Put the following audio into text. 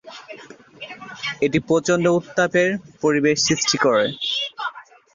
এটি প্রচণ্ড উত্তাপের পরিবেশ সৃষ্টি করে।